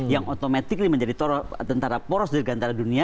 yang otomatis menjadi tentara poros di gantara dunia